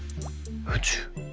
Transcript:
宇宙？